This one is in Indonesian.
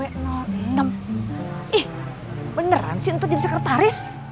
ih beneran sih entut jadi sekretaris